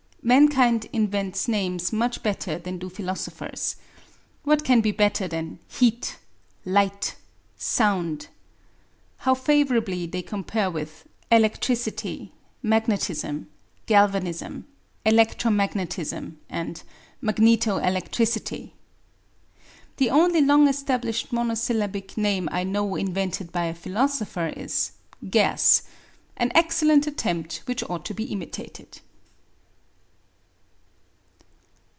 Mankind invents names much better than do philosophers. What can be better than "heat," "light," "sound"? How favourably they compare with electricity, magnetism, galvanism, electro magnetism, and magneto electricity! The only long established monosyllabic name I know invented by a philosopher is "gas" an excellent attempt, which ought to be imitated.